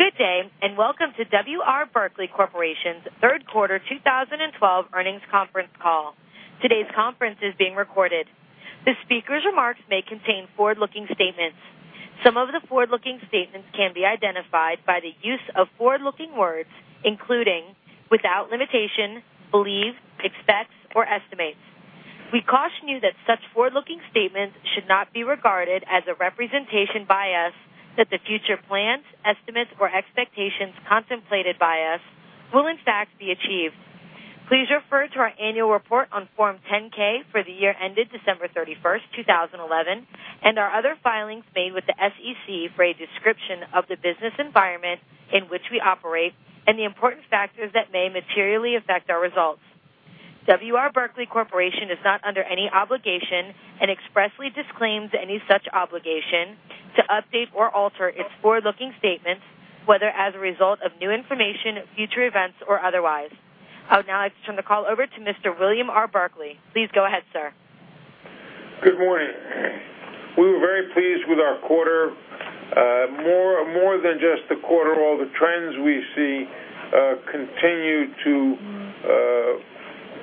Good day, welcome to W. R. Berkley Corporation's third quarter 2012 earnings conference call. Today's conference is being recorded. The speaker's remarks may contain forward-looking statements. Some of the forward-looking statements can be identified by the use of forward-looking words, including, without limitation, believe, expects or estimates. We caution you that such forward-looking statements should not be regarded as a representation by us that the future plans, estimates or expectations contemplated by us will in fact be achieved. Please refer to our annual report on Form 10-K for the year ended December 31st, 2011, and our other filings made with the SEC for a description of the business environment in which we operate and the important factors that may materially affect our results. W. R. Berkley Corporation is not under any obligation and expressly disclaims any such obligation to update or alter its forward-looking statements, whether as a result of new information, future events, or otherwise. I would now like to turn the call over to Mr. William R. Berkley. Please go ahead, sir. Good morning. We were very pleased with our quarter. More than just the quarter, all the trends we see continue to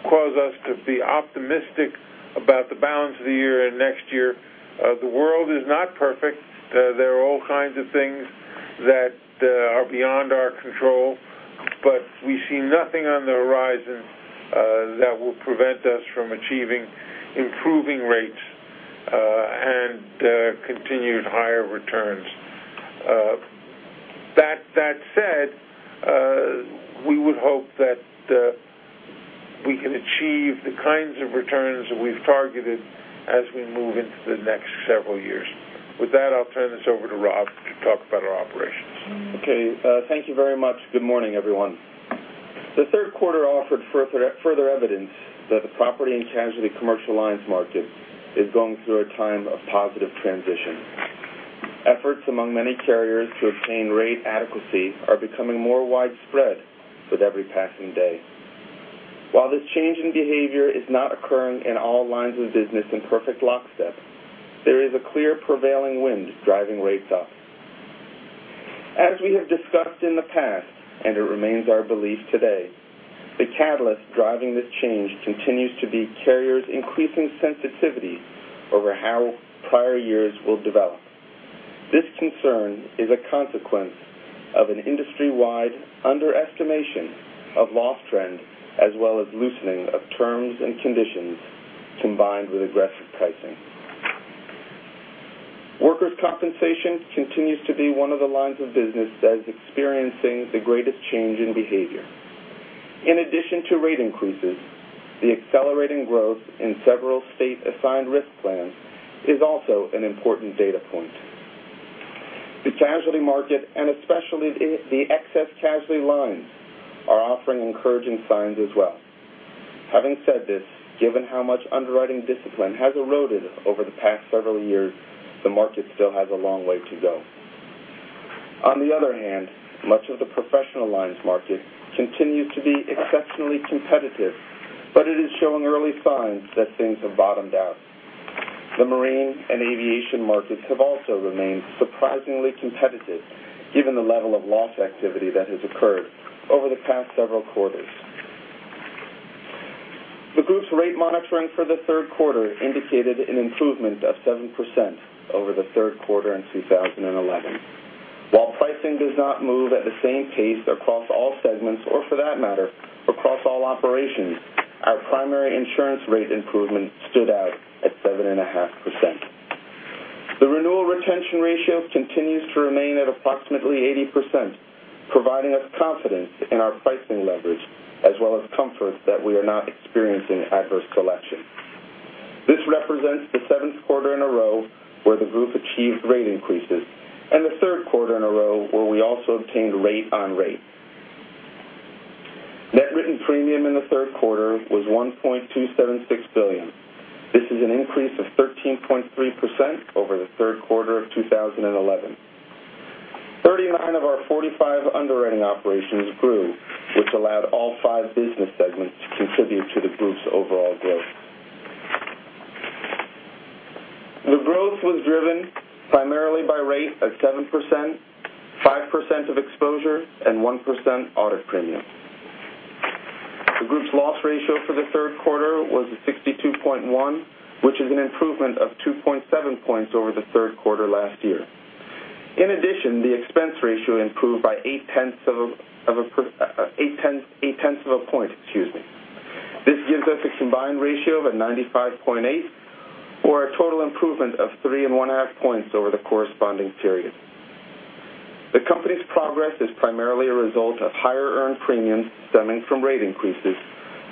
cause us to be optimistic about the balance of the year and next year. The world is not perfect. There are all kinds of things that are beyond our control, we see nothing on the horizon that will prevent us from achieving improving rates and continued higher returns. That said, we would hope that we can achieve the kinds of returns that we've targeted as we move into the next several years. With that, I'll turn this over to Rob to talk about our operations. Okay. Thank you very much. Good morning, everyone. The third quarter offered further evidence that the property and casualty commercial lines market is going through a time of positive transition. Efforts among many carriers to obtain rate adequacy are becoming more widespread with every passing day. While this change in behavior is not occurring in all lines of business in perfect lockstep, there is a clear prevailing wind driving rates up. As we have discussed in the past, it remains our belief today, the catalyst driving this change continues to be carriers' increasing sensitivity over how prior years will develop. This concern is a consequence of an industry-wide underestimation of loss trend, as well as loosening of terms and conditions combined with aggressive pricing. Workers' compensation continues to be one of the lines of business that is experiencing the greatest change in behavior. In addition to rate increases, the accelerating growth in several state-assigned risk plans is also an important data point. The casualty market, and especially the excess casualty lines, are offering encouraging signs as well. Having said this, given how much underwriting discipline has eroded over the past several years, the market still has a long way to go. On the other hand, much of the professional liability market continues to be exceptionally competitive, but it is showing early signs that things have bottomed out. The marine and aviation markets have also remained surprisingly competitive, given the level of loss activity that has occurred over the past several quarters. The group's rate monitoring for the third quarter indicated an improvement of 7% over the third quarter in 2011. While pricing does not move at the same pace across all segments or for that matter, across all operations, our primary insurance rate improvement stood out at 7.5%. The renewal retention ratio continues to remain at approximately 80%, providing us confidence in our pricing leverage, as well as comfort that we are not experiencing adverse collection. This represents the seventh quarter in a row where the group achieved rate increases and the third quarter in a row where we also obtained rate on rate. Net written premium in the third quarter was $1.276 billion. This is an increase of 13.3% over the third quarter of 2011. 39 of our 45 underwriting operations grew, which allowed all five business segments to contribute to the group's overall growth. The growth was driven primarily by rate of 7%, 5% of exposure, and 1% audit premium. The group's loss ratio for the third quarter was at 62.1, which is an improvement of 2.7 points over the third quarter last year. In addition, the expense ratio improved by 0.8 points. This gives us a combined ratio of a 95.8, or a total improvement of 3.5 points over the corresponding period. The company's progress is primarily a result of higher earned premiums stemming from rate increases,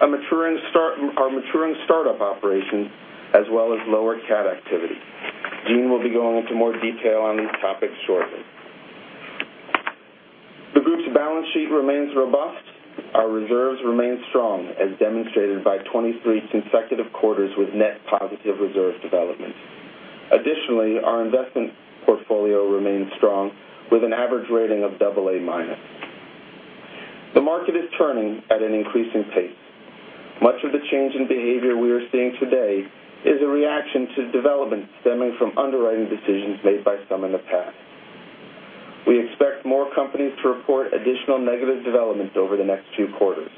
our maturing start-up operation, as well as lower cat activity. Eugene will be going into more detail on these topics shortly. The group's balance sheet remains robust. Our reserves remain strong, as demonstrated by 23 consecutive quarters with net positive reserve development. Additionally, our investment portfolio remains strong with an average rating of AA-. The market is turning at an increasing pace. Much of the change in behavior we are seeing today is a reaction to developments stemming from underwriting decisions made by some in the past. We expect more companies to report additional negative developments over the next two quarters.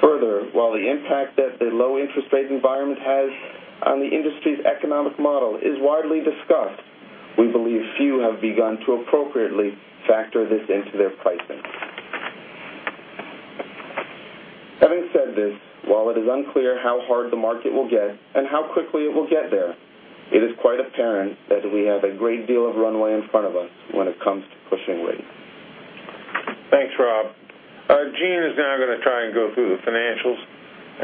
Further, while the impact that the low interest rate environment has on the industry's economic model is widely discussed, we believe few have begun to appropriately factor this into their pricing. Having said this, while it is unclear how hard the market will get and how quickly it will get there, it is quite apparent that we have a great deal of runway in front of us when it comes to pushing rates. Thanks, Rob. Gene is now going to try and go through the financials,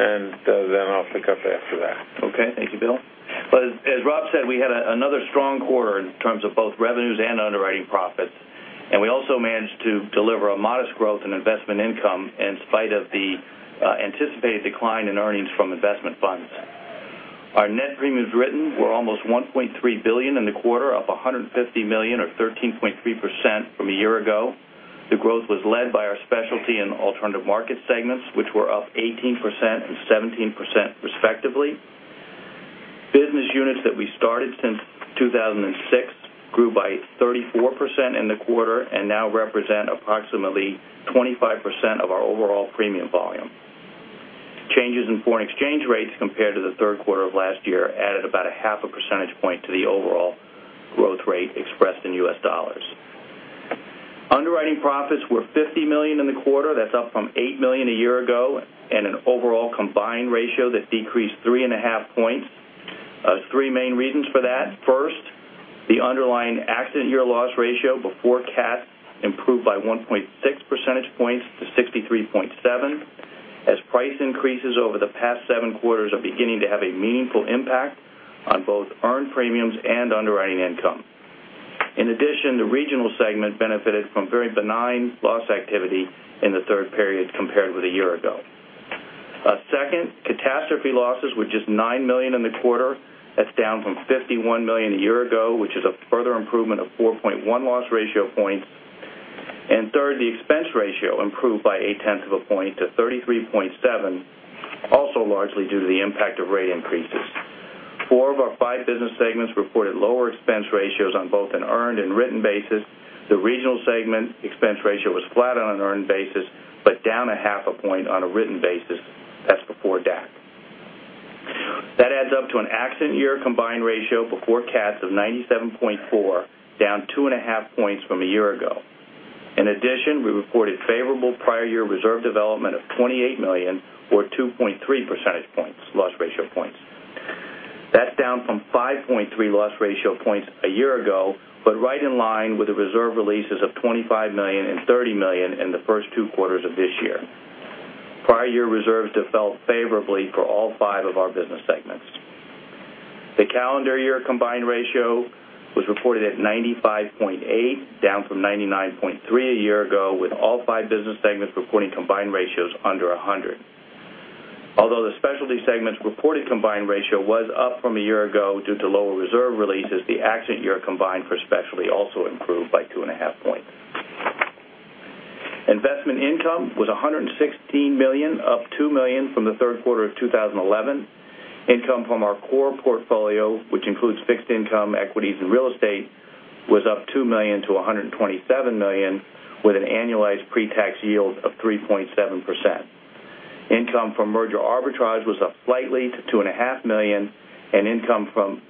and then I'll pick up after that. Okay. Thank you, Bill. Well, as Rob said, we had another strong quarter in terms of both revenues and underwriting profits, and we also managed to deliver a modest growth in investment income in spite of the anticipated decline in earnings from investment funds. Our net premiums written were almost $1.3 billion in the quarter, up $150 million or 13.3% from a year ago. The growth was led by our specialty and alternative market segments, which were up 18% and 17% respectively. Business units that we started since 2006 grew by 34% in the quarter and now represent approximately 25% of our overall premium volume. Changes in foreign exchange rates compared to the third quarter of last year added about a half a percentage point to the overall growth rate expressed in U.S. dollars. Underwriting profits were $50 million in the quarter. That's up from $8 million a year ago, and an overall combined ratio that decreased three and a half points. Three main reasons for that. First, the underlying accident year loss ratio before cat improved by 1.6 percentage points to 63.7% as price increases over the past seven quarters are beginning to have a meaningful impact on both earned premiums and underwriting income. In addition, the regional segment benefited from very benign loss activity in the third period compared with a year ago. Second, catastrophe losses were just $9 million in the quarter. That's down from $51 million a year ago, which is a further improvement of 4.1 loss ratio points. Third, the expense ratio improved by 0.8 points to 33.7%, also largely due to the impact of rate increases. Four of our five business segments reported lower expense ratios on both an earned and written basis. The regional segment expense ratio was flat on an earned basis, but down a half a point on a written basis. That's before DAC. That adds up to an accident year combined ratio before cats of 97.4%, down two and a half points from a year ago. In addition, we reported favorable prior year reserve development of $28 million or 2.3 percentage points, loss ratio points. That's down from 5.3 loss ratio points a year ago, but right in line with the reserve releases of $25 million and $30 million in the first two quarters of this year. Prior year reserves developed favorably for all five of our business segments. The calendar year combined ratio was reported at 95.8, down from 99.3 a year ago, with all five business segments reporting combined ratios under 100. Although the specialty segment's reported combined ratio was up from a year ago due to lower reserve releases, the accident year combined for specialty also improved by two and a half points. Investment income was $116 million, up $2 million from the third quarter of 2011. Income from our core portfolio, which includes fixed income equities and real estate, was up $2 million to $127 million, with an annualized pre-tax yield of 3.7%. Income from merger arbitrage was up slightly to $2.5 million, and income from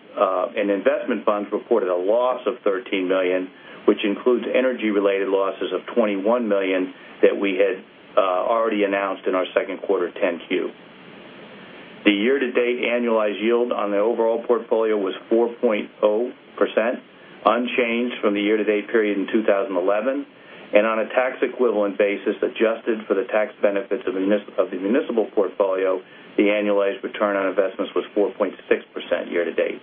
an investment fund reported a loss of $13 million, which includes energy related losses of $21 million that we had already announced in our second quarter 10-Q. On a tax equivalent basis, adjusted for the tax benefits of the municipal portfolio, the annualized return on investments was 4.6% year to date.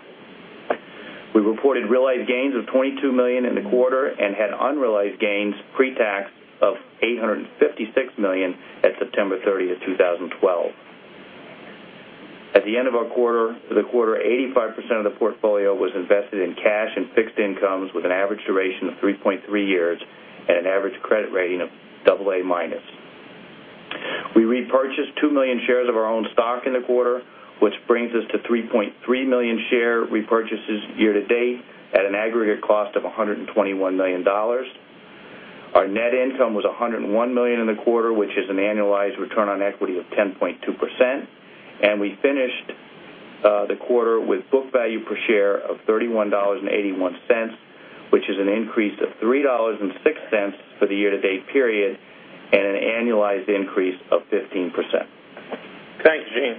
We reported realized gains of $22 million in the quarter and had unrealized gains pre-tax of $856 million at September 30th, 2012. At the end of the quarter, 85% of the portfolio was invested in cash and fixed incomes with an average duration of 3.3 years and an average credit rating of double A minus. We repurchased two million shares of our own stock in the quarter, which brings us to 3.3 million share repurchases year to date at an aggregate cost of $121 million. Our net income was $101 million in the quarter, which is an annualized return on equity of 10.2%, and we finished the quarter with book value per share of $31.81, which is an increase of $3.06 for the year-to-date period and an annualized increase of 15%. Thanks, Gene.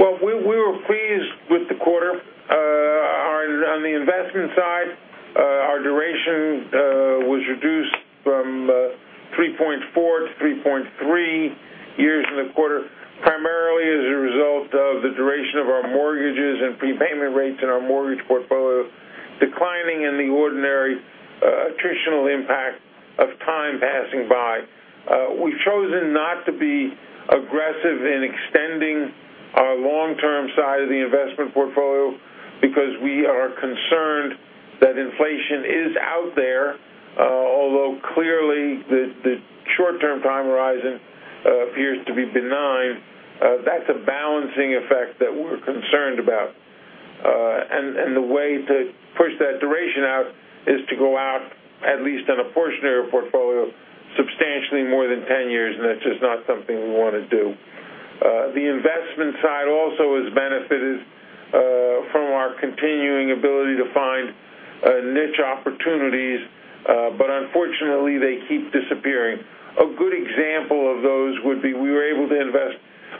Well, we were pleased with the quarter. On the investment side, our duration was reduced from 3.4 to 3.3 years in the quarter, primarily as a result of the duration of our mortgages and prepayment rates in our mortgage portfolio declining in the ordinary attritional impact of time passing by. We've chosen not to be aggressive in extending our long-term side of the investment portfolio because we are concerned inflation is out there, although clearly, the short-term time horizon appears to be benign. That's a balancing effect that we're concerned about. The way to push that duration out is to go out, at least on a portion of your portfolio, substantially more than 10 years, and that's just not something we want to do. The investment side also has benefited from our continuing ability to find niche opportunities, unfortunately, they keep disappearing. A good example of those would be we were able to invest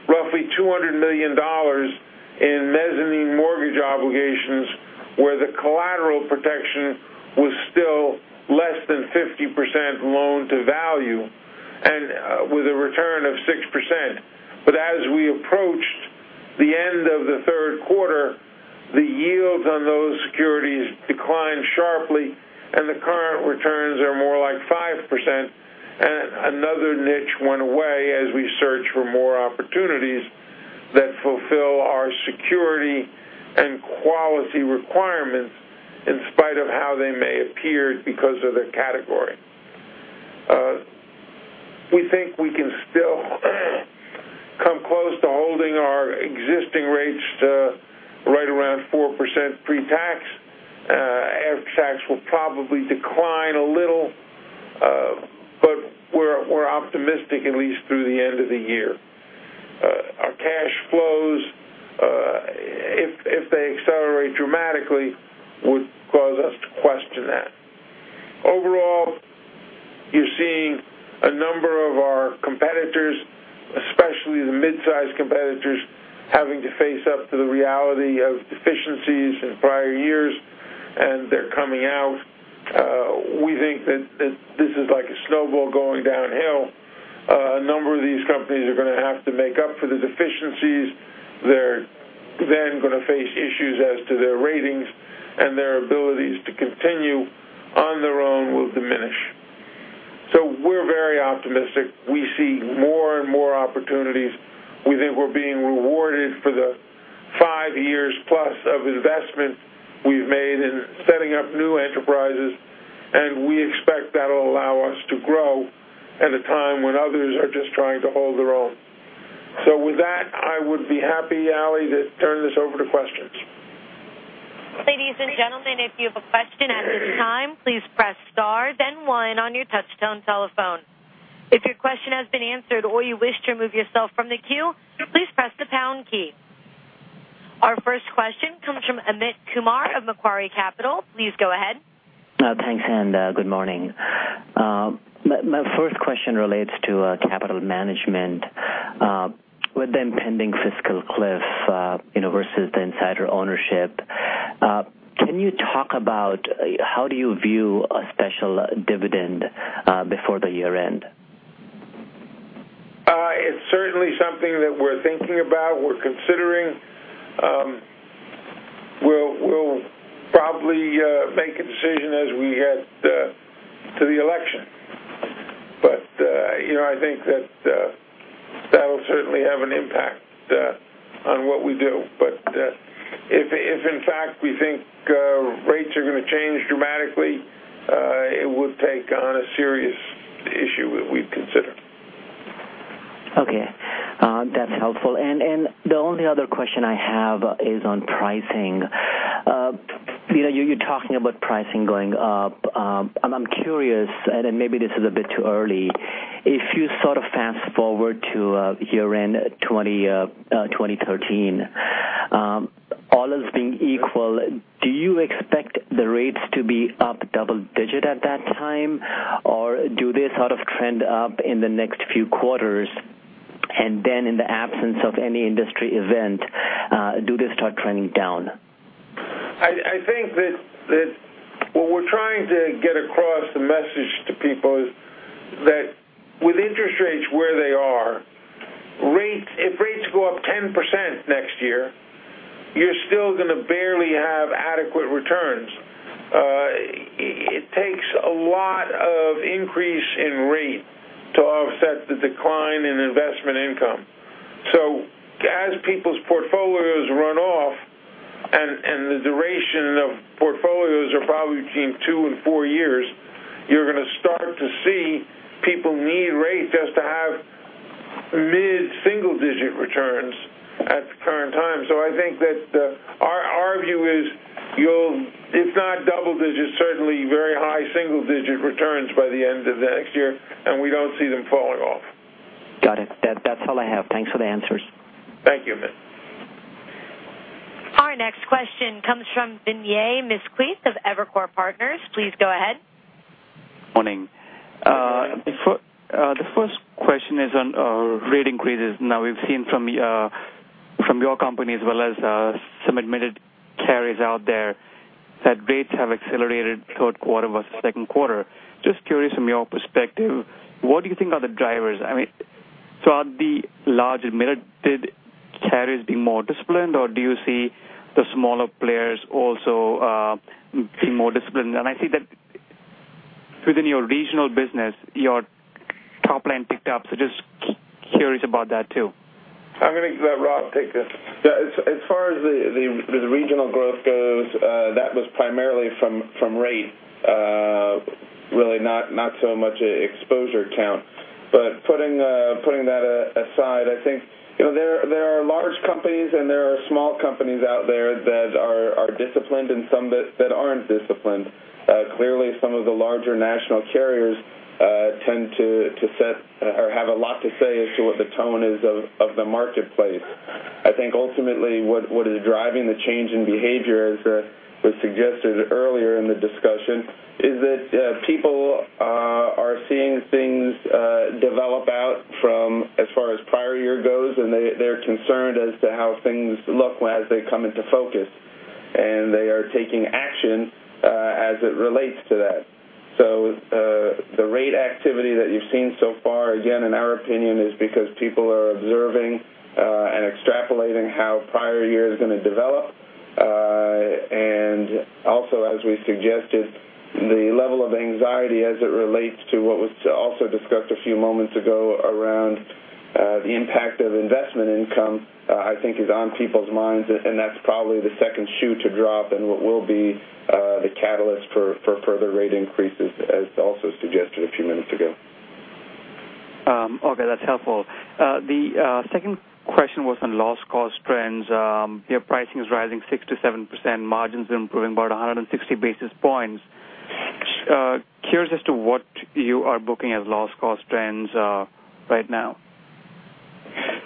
roughly $200 million in mezzanine mortgage obligations, where the collateral protection was still less than 50% loan to value and with a return of 6%. But as we approached the end of the third quarter, the yields on those securities declined sharply, and the current returns are more like 5%. Another niche went away as we search for more opportunities that fulfill our security and quality requirements, in spite of how they may appear because of their category. We think we can still come close to holding our existing rates to right around 4% pre-tax. After-tax will probably decline a little, but we're optimistic at least through the end of the year. Our cash flows, if they accelerate dramatically, would cause us to question that. Overall, you're seeing a number of our competitors, especially the mid-size competitors, having to face up to the reality of deficiencies in prior years, and they're coming out. We think that this is like a snowball going downhill. A number of these companies are going to have to make up for the deficiencies. They're then going to face issues as to their ratings, and their abilities to continue on their own will diminish. We're very optimistic. We see more and more opportunities. We think we're being rewarded for the five years plus of investment we've made in setting up new enterprises, and we expect that'll allow us to grow at a time when others are just trying to hold their own. With that, I would be happy, Ally, to turn this over to questions. Ladies and gentlemen, if you have a question at this time, please press star, then one on your touch-tone telephone. If your question has been answered or you wish to remove yourself from the queue, please press the pound key. Our first question comes from Amit Kumar of Macquarie Capital. Please go ahead. Thanks, good morning. My first question relates to capital management. With the impending fiscal cliff versus the insider ownership, can you talk about how do you view a special dividend before the year-end? It's certainly something that we're thinking about, we're considering. We'll probably make a decision as we head to the election. I think that that'll certainly have an impact on what we do. If in fact we think rates are going to change dramatically, it would take on a serious issue that we'd consider. Okay. That's helpful. The only other question I have is on pricing. You're talking about pricing going up. I'm curious, and maybe this is a bit too early. If you sort of fast-forward to year-end 2013, all else being equal, do you expect the rates to be up double digit at that time? Do they sort of trend up in the next few quarters, and then in the absence of any industry event, do they start trending down? I think that what we're trying to get across, the message to people is that with interest rates where they are, if rates go up 10% next year, you're still going to barely have adequate returns. It takes a lot of increase in rate to offset the decline in investment income. As people's portfolios run off and the duration of portfolios are probably between two and four years, you're going to start to see people need rates just to have mid-single digit returns at the current time. I think that our view is if not double digits, certainly very high single digit returns by the end of next year. We don't see them falling off. Got it. That's all I have. Thanks for the answers. Thank you, Amit. Our next question comes from Vinay Misquith of Evercore Partners. Please go ahead. Morning. The first question is on rate increases. We've seen from your company as well as some admitted carriers out there that rates have accelerated third quarter versus second quarter. Just curious from your perspective, what do you think are the drivers? I mean, throughout the large admitted carriers being more disciplined, or do you see the smaller players also being more disciplined? I think that within your regional business, your top line picked up. Just curious about that too. I'm going to let Rob take this. As far as the regional growth goes, that was primarily from rate really not so much exposure count, putting that aside, I think there are large companies and there are small companies out there that are disciplined and some that aren't disciplined. Clearly, some of the larger national carriers tend to set or have a lot to say as to what the tone is of the marketplace. I think ultimately what is driving the change in behavior, as was suggested earlier in the discussion, is that people are seeing things develop out from as far as prior year goes, and they're concerned as to how things look as they come into focus. They are taking action as it relates to that. The rate activity that you've seen so far, again, in our opinion, is because people are observing and extrapolating how prior year is going to develop. Also, as we suggested, the level of anxiety as it relates to what was also discussed a few moments ago around the impact of investment income, I think is on people's minds, and that's probably the second shoe to drop and what will be the catalyst for further rate increases as also suggested a few minutes ago. That's helpful. The second question was on loss cost trends. Your pricing is rising 6%-7%. Margins improving about 160 basis points. Curious as to what you are booking as loss cost trends are right now.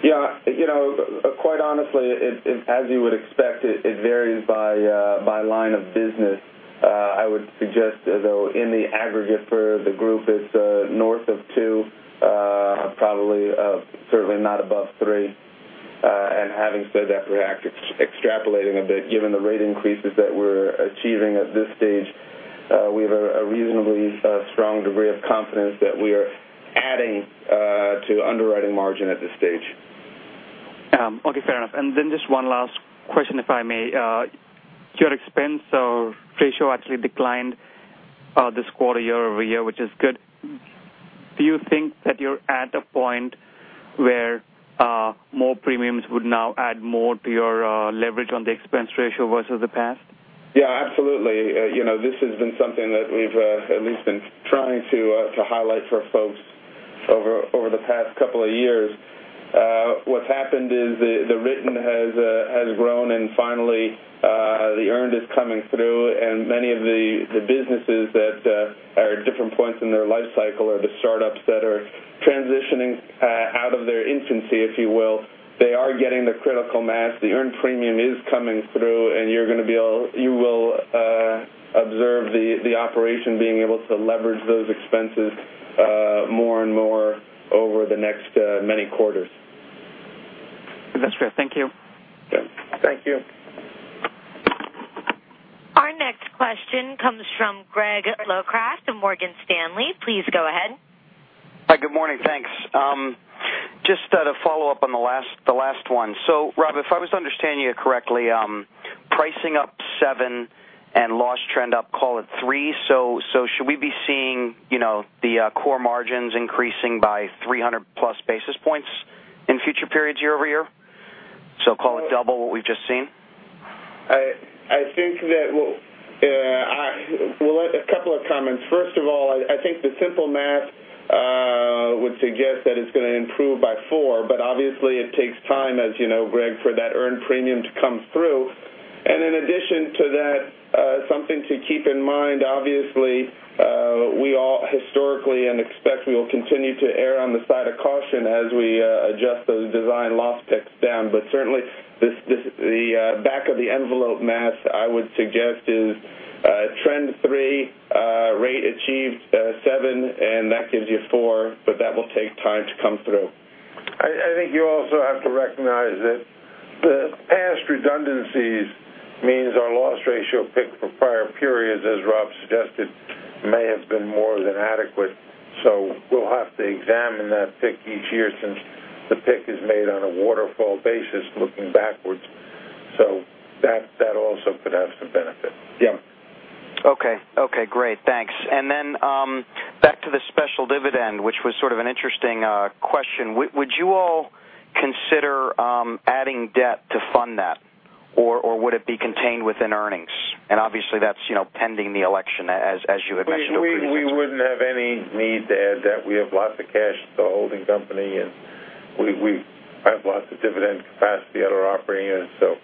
Quite honestly, as you would expect, it varies by line of business. I would suggest, though, in the aggregate for the group, it's north of two probably, certainly not above three. Having said that, we're extrapolating a bit given the rate increases that we're achieving at this stage. We have a reasonably strong degree of confidence that we are adding to underwriting margin at this stage. Okay, fair enough. Just one last question, if I may. Your expense ratio actually declined this quarter year-over-year, which is good. Do you think that you're at a point where more premiums would now add more to your leverage on the expense ratio versus the past? Yeah, absolutely. This has been something that we've at least been trying to highlight for folks over the past couple of years. What's happened is the written has grown, finally, the earned is coming through. Many of the businesses that are at different points in their life cycle are the startups that are transitioning out of their infancy, if you will. They are getting the critical mass. The earned premium is coming through, and you will observe the operation being able to leverage those expenses more and more over the next many quarters. That's great. Thank you. Okay. Thank you. Our next question comes from Greg Locraft of Morgan Stanley. Please go ahead. Hi. Good morning. Thanks. Just a follow-up on the last one. Rob, if I was to understand you correctly, pricing up 7 and loss trend up, call it 3. Should we be seeing the core margins increasing by 300+ basis points in future periods year-over-year? Call it double what we've just seen. A couple of comments. First of all, I think the simple math would suggest that it's going to improve by 4. Obviously it takes time, as you know, Greg, for that earned premium to come through. In addition to that something to keep in mind, obviously, we all historically and expect we will continue to err on the side of caution as we adjust those design loss picks down. Certainly the back of the envelope math, I would suggest, is trend 3, rate achieved 7, and that gives you 4, but that will take time to come through. I think you also have to recognize that the past redundancies means our loss ratio pick for prior periods, as Rob suggested, may have been more than adequate. We'll have to examine that pick each year since the pick is made on a waterfall basis looking backwards. That also could have some benefit. Yeah. Okay. Great. Thanks. Back to the special dividend, which was sort of an interesting question. Would you all consider adding debt to fund that, or would it be contained within earnings? Obviously that's pending the election, as you had mentioned previously. We wouldn't have any need to add debt. We have lots of cash at the holding company, we have lots of dividend capacity at our operating units,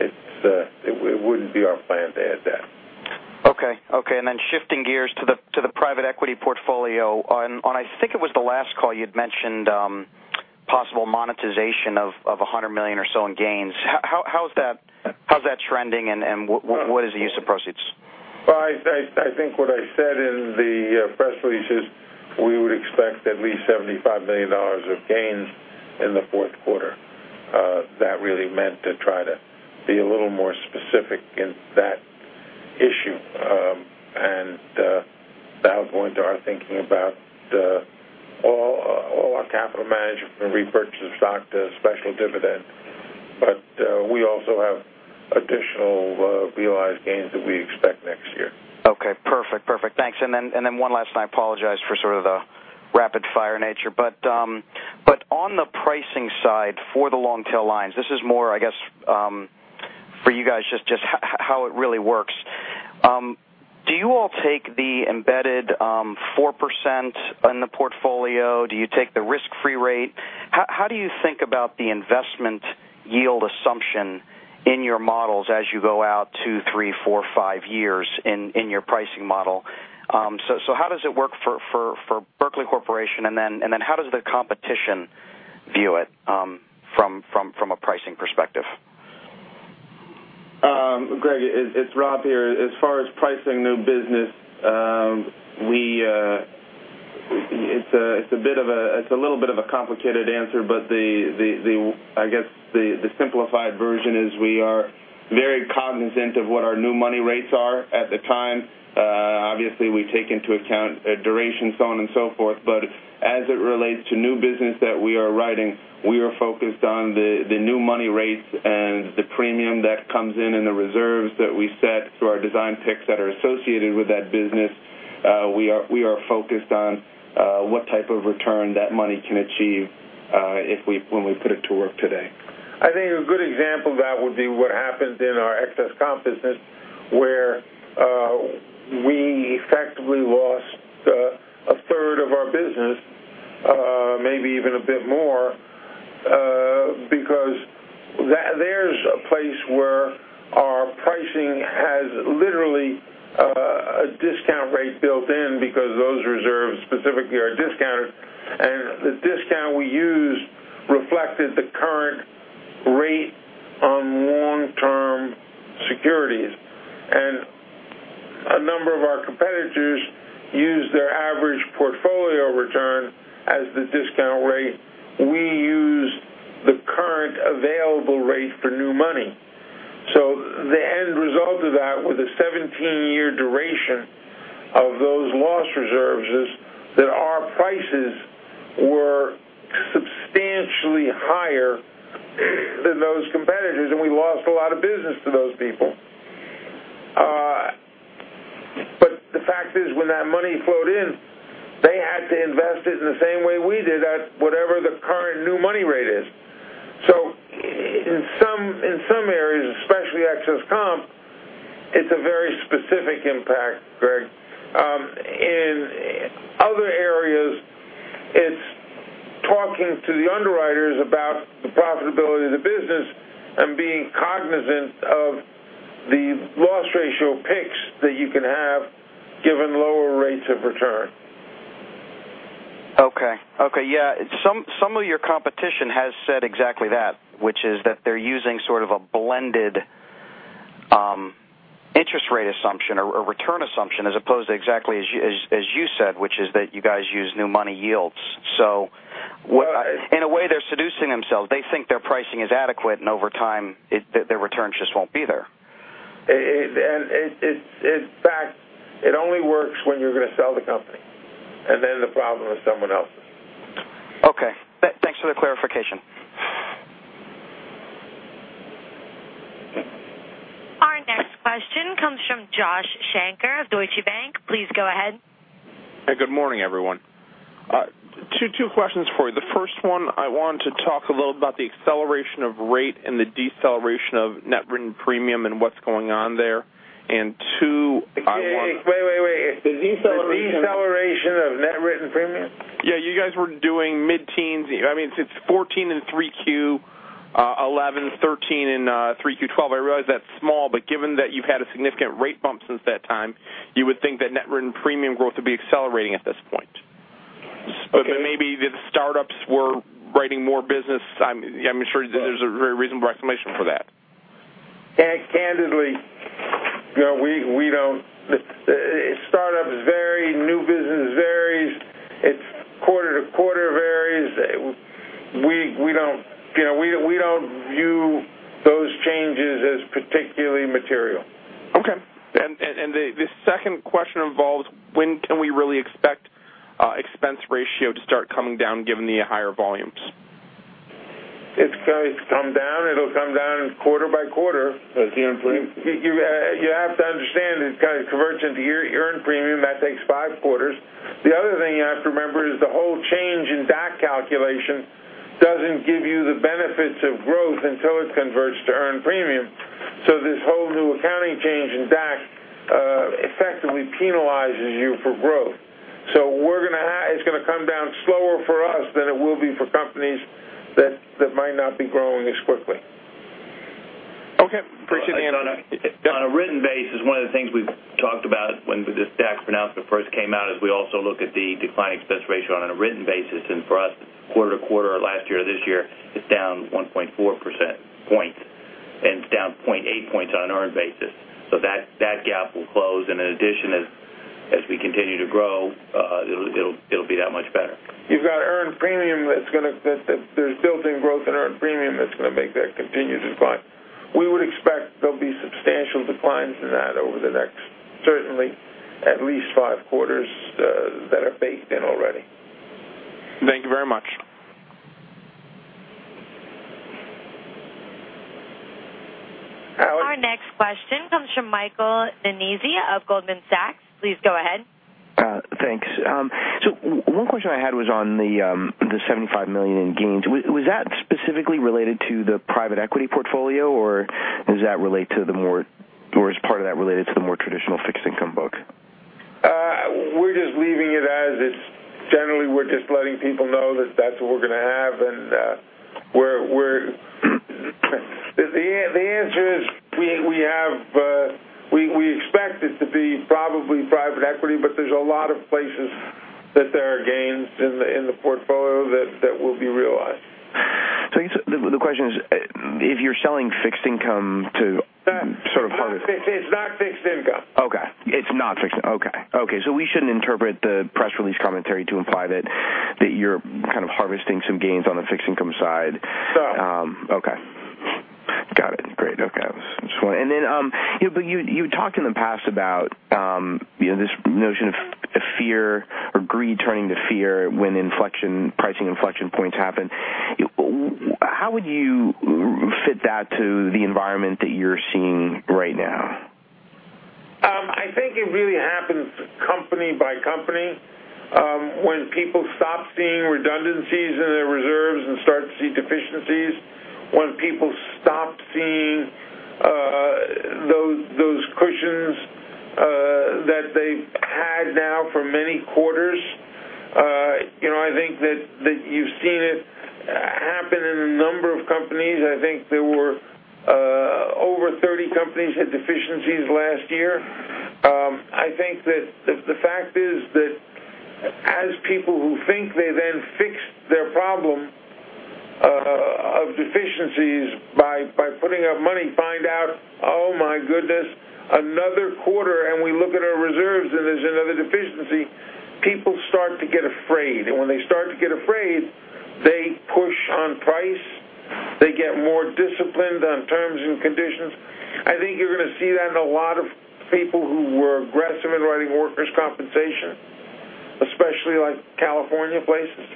it wouldn't be our plan to add debt. Okay. Shifting gears to the private equity portfolio on, I think it was the last call you'd mentioned possible monetization of $100 million or so in gains. How's that trending and what is the use of proceeds? I think what I said in the press release is we would expect at least $75 million of gains in the fourth quarter. That really meant to try to be a little more specific in that issue. That was going to our thinking about Our capital management and repurchase of stock to special dividend. We also have additional realized gains that we expect next year. Okay, perfect. Thanks. One last thing, I apologize for sort of the rapid-fire nature, but on the pricing side for the long-tail lines, this is more, I guess, for you guys, just how it really works. Do you all take the embedded 4% in the portfolio? Do you take the risk-free rate? How do you think about the investment yield assumption in your models as you go out two, three, four, five years in your pricing model? How does it work for W. R. Berkley Corporation and then how does the competition view it from a pricing perspective? Greg, it's Rob here. As far as pricing new business, it's a little bit of a complicated answer, but I guess the simplified version is we are very cognizant of what our new money rates are at the time. Obviously, we take into account duration, so on and so forth. As it relates to new business that we are writing, we are focused on the new money rates and the premium that comes in and the reserves that we set through our design picks that are associated with that business. We are focused on what type of return that money can achieve when we put it to work today. I think a good example of that would be what happened in our excess comp business, where we effectively lost a third of our business, maybe even a bit more, because there's a place where our pricing has literally a discount rate built in because those reserves specifically are discounted, and the discount we used reflected the current rate on long-term securities. A number of our competitors use their average portfolio return as the discount rate. We use the current available rate for new money. The end result of that, with a 17-year duration of those loss reserves, is that our prices were substantially higher than those competitors, and we lost a lot of business to those people. The fact is, when that money flowed in, they had to invest it in the same way we did at whatever the current new money rate is. In some areas, especially excess comp, it's a very specific impact, Greg. In other areas, it's talking to the underwriters about the profitability of the business and being cognizant of the loss ratio picks that you can have given lower rates of return. Okay. Yeah. Some of your competition has said exactly that, which is that they're using sort of a blended interest rate assumption or return assumption as opposed to exactly as you said, which is that you guys use new money yields. In a way, they're seducing themselves. They think their pricing is adequate, and over time, their returns just won't be there. In fact, it only works when you're going to sell the company, and then the problem is someone else's. Okay. Thanks for the clarification. Our next question comes from Joshua Shanker of Deutsche Bank. Please go ahead. Hey, good morning, everyone. Two questions for you. The first one, I want to talk a little about the acceleration of rate and the deceleration of net written premium and what's going on there. Two. Wait. The deceleration of net written premium? Yeah, you guys were doing mid-teens. It's 14 in Q3 2011, 13 in Q3 2012. I realize that's small, but given that you've had a significant rate bump since that time, you would think that net written premium growth would be accelerating at this point. Okay. Maybe the startups were writing more business. I'm sure there's a very reasonable explanation for that. Candidly, startups vary, new business varies. Its quarter-to-quarter varies. We don't view those changes as particularly material. Okay. The second question involves when can we really expect expense ratio to start coming down given the higher volumes? It's going to come down. It'll come down quarter-by-quarter. As Gene put it. You have to understand, it converts into your earned premium. That takes 5 quarters. The other thing you have to remember is the whole change in DAC calculation doesn't give you the benefits of growth until it converts to earned premium. This whole new accounting change in DAC effectively penalizes you for growth. It's going to come down slower for us than it will be for companies that might not be growing as quickly. Okay. Appreciate the answer. On a written basis, one of the things we've talked about when this DAC pronouncement first came out is we also look at the declining expense ratio on a written basis. For us, quarter to quarter, last year to this year, it's down 1.4% points, and it's down 0.8 points on an earned basis. That gap will close, and in addition, as we continue to grow it'll be that much better. You've got earned premium that there's built-in growth in earned premium that's going to make that continue to decline. We would expect there'll be substantial declines in that over the next, certainly, at least 5 quarters that are baked in already. Thank you very much. Howard. Our next question comes from Michael Nannizzi of Goldman Sachs. Please go ahead. Thanks. One question I had was on the $75 million in gains. Was that specifically related to the private equity portfolio, or is part of that related to the more traditional fixed income book? We're just leaving it as it's generally, we're just letting people know that that's what we're going to have, and the answer is we expect it to be probably private equity, but there's a lot of places that there are gains in the portfolio that will be realized. I guess the question is, if you're selling fixed income to sort of partner- It's not fixed income. Okay. It's not fixed income. Okay. We shouldn't interpret the press release commentary to imply that you're kind of harvesting some gains on the fixed income side. No. Okay. Got it. Great. Okay. You talked in the past about this notion of fear or greed turning to fear when pricing inflection points happen. How would you fit that to the environment that you're seeing right now? I think it really happens company by company. When people stop seeing redundancies in their reserves and start to see deficiencies. When people stop seeing those cushions that they've had now for many quarters. I think that you've seen it happen in a number of companies. I think there were over 30 companies had deficiencies last year. I think that the fact is that as people who think they then fixed their problem of deficiencies by putting up money, find out, oh my goodness, another quarter, and we look at our reserves and there's another deficiency. People start to get afraid. When they start to get afraid, they push on price, they get more disciplined on terms and conditions. I think you're going to see that in a lot of people who were aggressive in writing workers' compensation, especially like California places,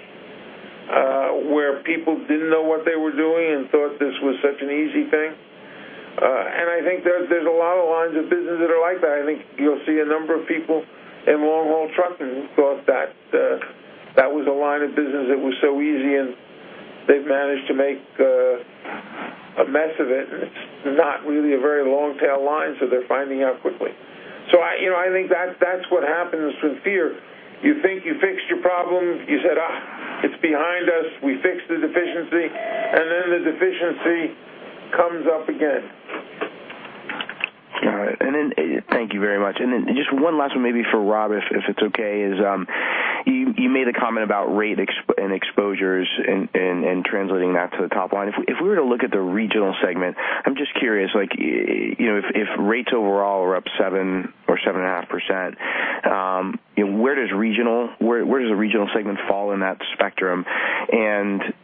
where people didn't know what they were doing and thought this was such an easy thing. I think there's a lot of lines of business that are like that. I think you'll see a number of people in long-haul trucking who thought that was a line of business that was so easy, and they've managed to make a mess of it, and it's not really a very long-tail line, so they're finding out quickly. I think that's what happens with fear. You think you fixed your problem. You said, "It's behind us. We fixed the deficiency." Then the deficiency comes up again. All right. Thank you very much. Just one last one maybe for Rob, if it's okay, is you made a comment about rate and exposures and translating that to the top line. If we were to look at the regional segment, I'm just curious, if rates overall are up seven or 7.5%, where does the regional segment fall in that spectrum?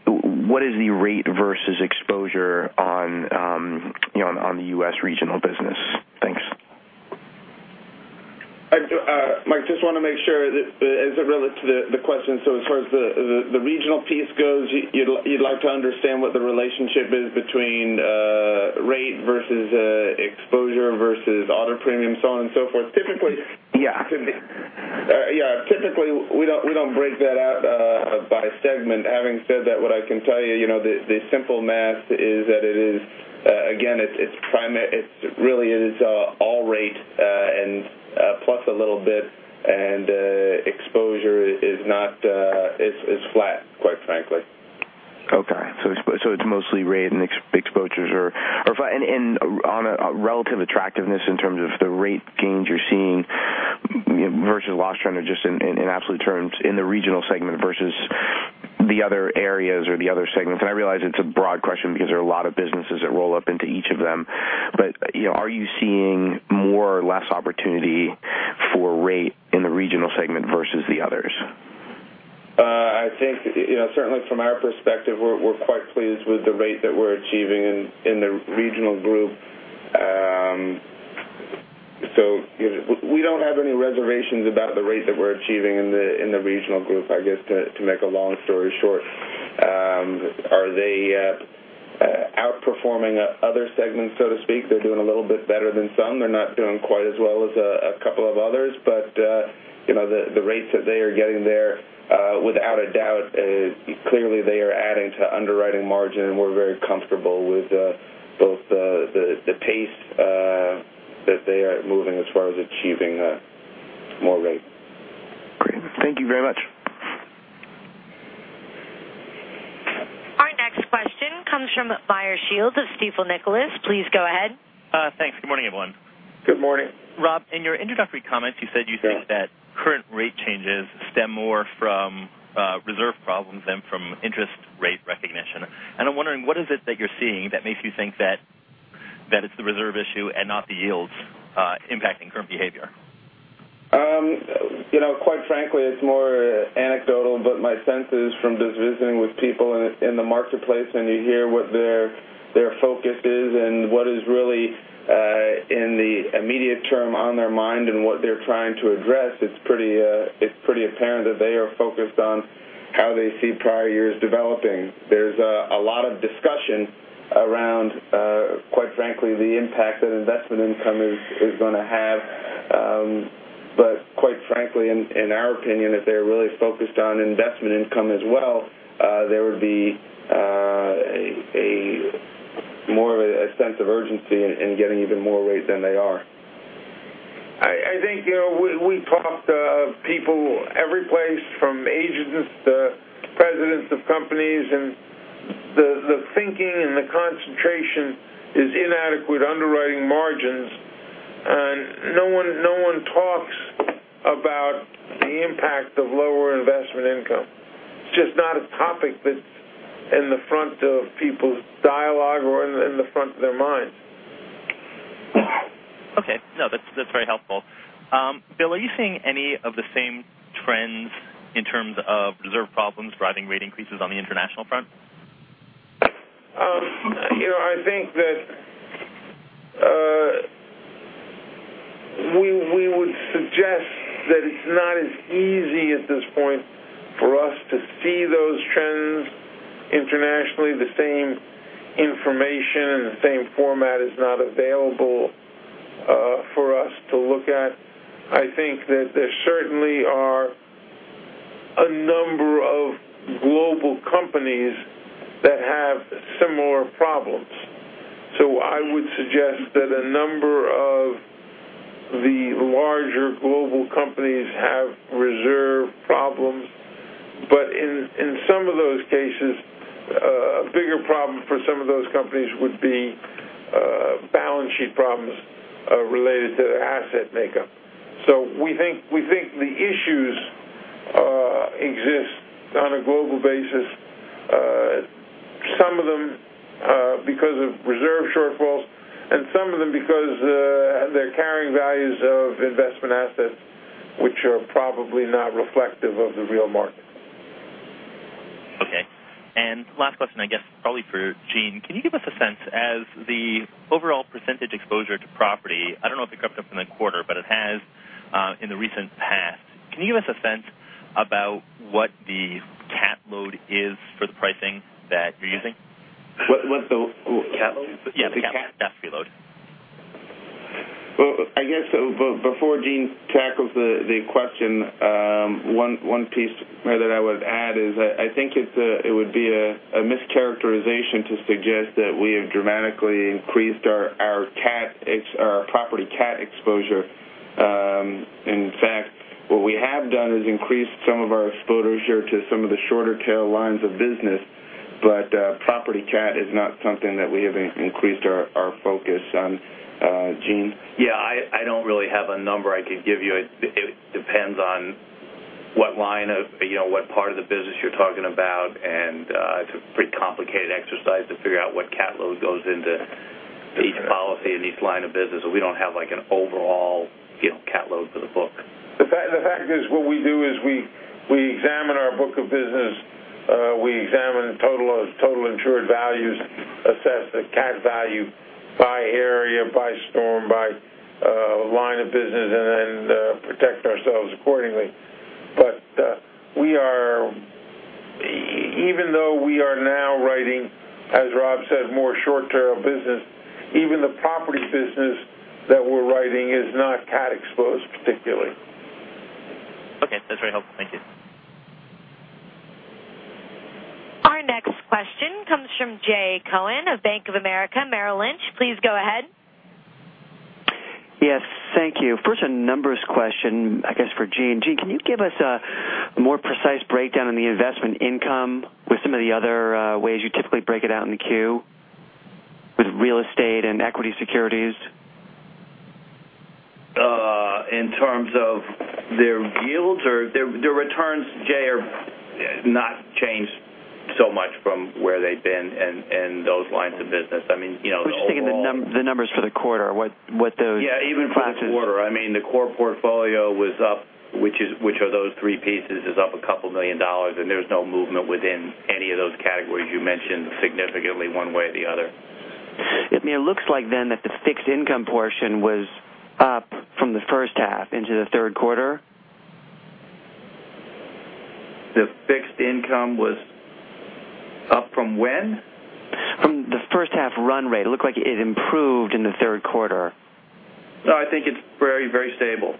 What is the rate versus exposure on the U.S. regional business? Thanks. Mike, just want to make sure as it relates to the question, so as far as the regional piece goes, you'd like to understand what the relationship is between rate versus exposure versus auto premium, so on and so forth. Typically. Yeah. Yeah. Typically, we don't break that out by segment. Having said that, what I can tell you, the simple math is that it is, again, it really is all rate plus a little bit, and exposure is flat, quite frankly. Okay. It's mostly rate. On a relative attractiveness in terms of the rate gains you're seeing versus loss trend or just in absolute terms in the regional segment versus the other areas or the other segments, I realize it's a broad question because there are a lot of businesses that roll up into each of them, are you seeing more or less opportunity for rate in the regional segment versus the others? I think, certainly from our perspective, we're quite pleased with the rate that we're achieving in the regional group. We don't have any reservations about the rate that we're achieving in the regional group, I guess, to make a long story short. Are they outperforming other segments, so to speak? They're doing a little bit better than some. They're not doing quite as well as a couple of others. The rates that they are getting there, without a doubt, clearly, they are adding to underwriting margin, and we're very comfortable with both the pace that they are moving as far as achieving more rate. Great. Thank you very much. Our next question comes from Meyer Shields of Stifel Nicolaus. Please go ahead. Thanks. Good morning, everyone. Good morning. Rob, in your introductory comments, you said you think that current rate changes stem more from reserve problems than from interest rate recognition. I'm wondering, what is it that you're seeing that makes you think that it's the reserve issue and not the yields impacting current behavior? Quite frankly, it's more anecdotal. My sense is from just visiting with people in the marketplace, you hear what their focus is and what is really in the immediate term on their mind and what they're trying to address. It's pretty apparent that they are focused on how they see prior years developing. There's a lot of discussion around, quite frankly, the impact that investment income is going to have. Quite frankly, in our opinion, if they're really focused on investment income as well, there would be more of a sense of urgency in getting even more rate than they are. I think we talked to people every place from agents to presidents of companies. The thinking and the concentration is inadequate underwriting margins. No one talks about the impact of lower investment income. It's just not a topic that's in the front of people's dialogue or in the front of their minds. Okay. No, that's very helpful. Bill, are you seeing any of the same trends in terms of reserve problems driving rate increases on the international front? I think that we would suggest that it's not as easy at this point for us to see those trends internationally. The same information and the same format is not available for us to look at. I think that there certainly are a number of global companies that have similar problems. I would suggest that a number of the larger global companies have reserve problems. In some of those cases, a bigger problem for some of those companies would be balance sheet problems related to their asset makeup. We think the issues exist on a global basis. Some of them because of reserve shortfalls and some of them because their carrying values of investment assets, which are probably not reflective of the real market. Okay. Last question, I guess probably for Gene. Can you give us a sense, as the overall % exposure to property, I don't know if it crept up in the quarter, but it has in the recent past. Can you give us a sense about what the cat load is for the pricing that you're using? What's the catastrophe load? Yeah, the cat load. Well, I guess before Gene tackles the question, one piece that I would add is I think it would be a mischaracterization to suggest that we have dramatically increased our property cat exposure. In fact, what we have done is increased some of our exposure to some of the shorter tail lines of business, but property cat is not something that we have increased our focus on. Gene? Yeah, I don't really have a number I could give you. It depends on what part of the business you're talking about, and it's a pretty complicated exercise to figure out what catastrophe load goes into each policy and each line of business. We don't have an overall catastrophe load for the book. The fact is what we do is we examine our book of business. We examine total insured values, assess the cat value by area, by storm, by line of business, and then protect ourselves accordingly. Even though we are now writing, as Rob said, more short-term business, even the property business that we're writing is not cat exposed particularly. Okay. That's very helpful. Thank you. Our next question comes from Jay Cohen of Bank of America Merrill Lynch. Please go ahead. Yes. Thank you. First, a numbers question, I guess, for Gene. Gene, can you give us a more precise breakdown on the investment income with some of the other ways you typically break it out in the Q with real estate and equity securities? In terms of their yields? Their returns, Jay, have not changed so much from where they've been in those lines of business. I'm just thinking the numbers for the quarter. Yeah, even for the quarter. I mean, the core portfolio, which are those three pieces, is up a couple million dollars, and there's no movement within any of those categories you mentioned significantly one way or the other. It looks like that the fixed income portion was up from the first half into the third quarter. The fixed income was up from when? From the first half run rate. It looked like it improved in the third quarter. No, I think it's very stable.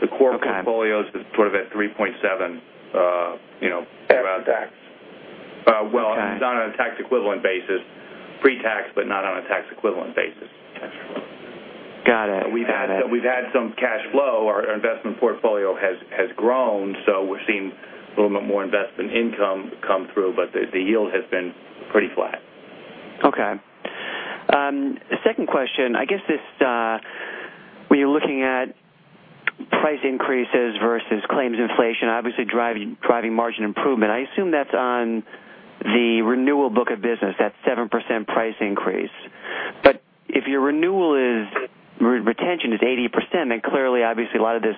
The core portfolio's sort of at 3.7. After tax. Well, it's not on a tax equivalent basis. Pre-tax, but not on a tax equivalent basis. Got it. We've had some cash flow. Our investment portfolio has grown. We're seeing a little bit more investment income come through, but the yield has been pretty flat. Okay. Second question, I guess when you're looking at price increases versus claims inflation obviously driving margin improvement, I assume that's on the renewal book of business, that 7% price increase. If your retention is 80%, then clearly obviously a lot of this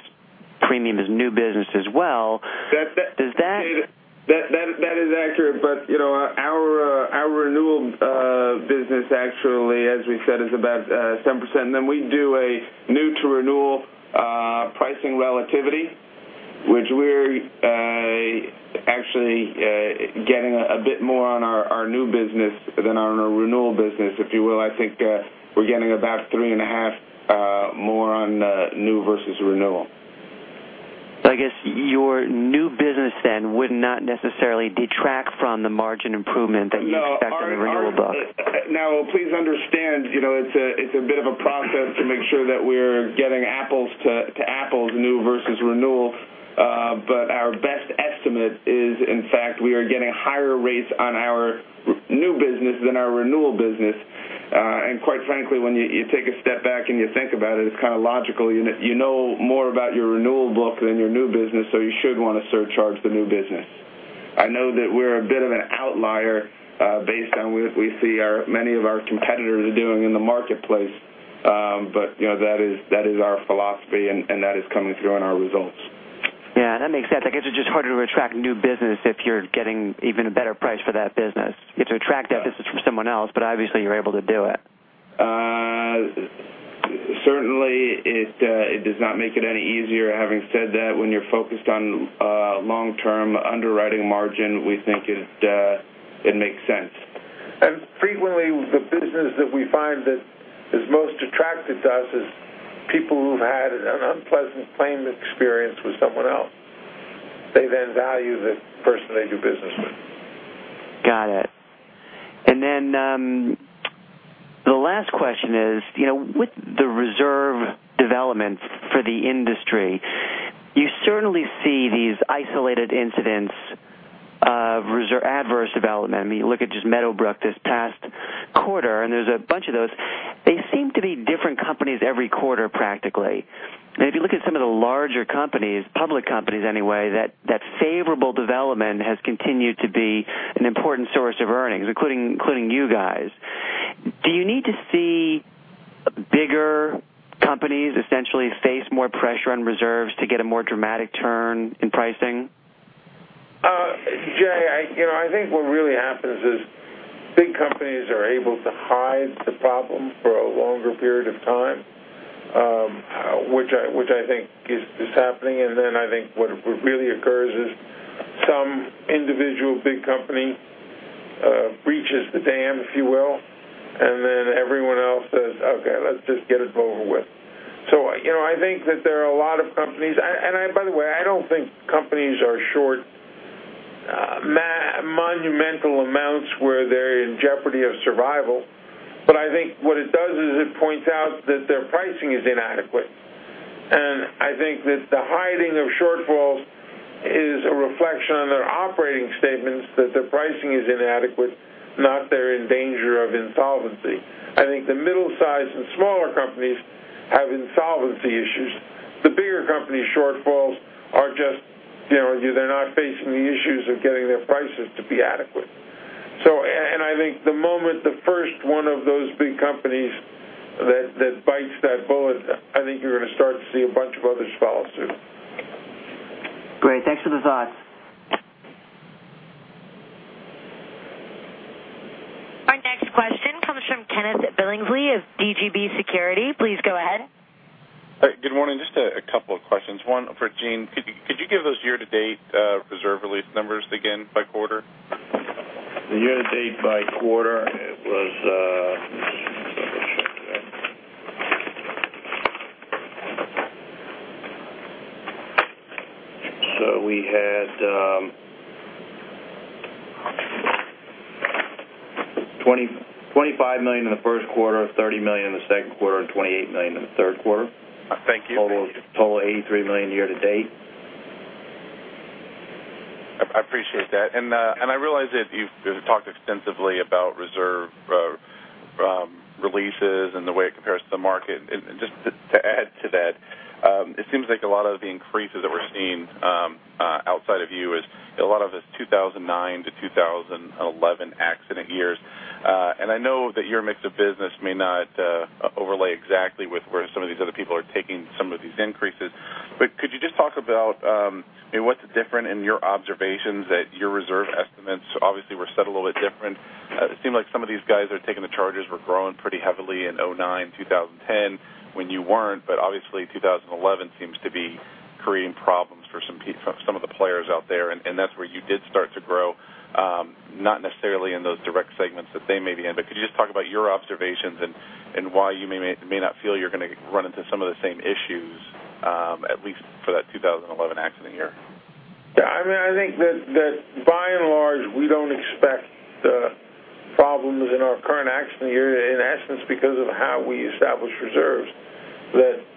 premium is new business as well. That- Is that- That is accurate. Our renewal business actually, as we said, is about 7%. Then we do a new-to-renewal pricing relativity, which we're actually getting a bit more on our new business than on our renewal business, if you will. I think we're getting about 3.5 more on new versus renewal. I guess your new business then would not necessarily detract from the margin improvement that you expect on the renewal book. Please understand, it's a bit of a process to make sure that we're getting apples to apples, new versus renewal. Our best estimate is, in fact, we are getting higher rates on our new business than our renewal business. Quite frankly, when you take a step back and you think about it's kind of logical. You know more about your renewal book than your new business, so you should want to surcharge the new business. I know that we're a bit of an outlier based on what we see many of our competitors are doing in the marketplace. That is our philosophy, and that is coming through on our results. Yeah, that makes sense. I guess it's just harder to attract new business if you're getting even a better price for that business. You have to attract that business from someone else, obviously you're able to do it. Certainly, it does not make it any easier. Having said that, when you're focused on long-term underwriting margin, we think it makes sense. Frequently, the business that we find that is most attracted to us is people who've had an unpleasant claim experience with someone else. They then value the person they do business with. Got it. The last question is, with the reserve development for the industry, you certainly see these isolated incidents of adverse development. You look at just Meadowbrook this past quarter, and there's a bunch of those. They seem to be different companies every quarter, practically. If you look at some of the larger companies, public companies anyway, that favorable development has continued to be an important source of earnings, including you guys. Do you need to see bigger companies essentially face more pressure on reserves to get a more dramatic turn in pricing? Jay, I think what really happens is big companies are able to hide the problem for a longer period of time, which I think is happening. I think what really occurs is some individual big company breaches the dam, if you will, and then everyone else says, "Okay, let's just get it over with." I think that there are a lot of companies, by the way, I don't think companies are short monumental amounts where they're in jeopardy of survival, but I think what it does is it points out that their pricing is inadequate. I think that the hiding of shortfalls is a reflection on their operating statements that their pricing is inadequate, not they're in danger of insolvency. I think the middle-size and smaller companies have insolvency issues. The bigger companies' shortfalls are just they're not facing the issues of getting their prices to be adequate. I think the moment the first one of those big companies that bites that bullet, I think you're going to start to see a bunch of others follow suit. Great. Thanks for the thoughts. Our next question comes from Kenneth Billingsley of BGB Securities. Please go ahead. Good morning. Just a couple of questions. One for Gene. Could you give those year-to-date reserve release numbers again by quarter? The year-to-date by quarter, it was, let me double check that. We had $25 million in the first quarter, $30 million in the second quarter, and $28 million in the third quarter. Thank you. Total $83 million year to date. I realize that you've talked extensively about reserve releases and the way it compares to the market. Just to add to that, it seems like a lot of the increases that we're seeing outside of you is a lot of this 2009 to 2011 accident years. I know that your mix of business may not overlay exactly with where some of these other people are taking some of these increases. Could you just talk about what's different in your observations that your reserve estimates obviously were set a little bit different? It seemed like some of these guys that are taking the charges were growing pretty heavily in 2009, 2010, when you weren't. Obviously 2011 seems to be creating problems for some of the players out there. That's where you did start to grow, not necessarily in those direct segments that they may be in. Could you just talk about your observations and why you may not feel you're going to run into some of the same issues, at least for that 2011 accident year? Yeah, I think that by and large, we don't expect problems in our current accident year, in essence, because of how we establish reserves.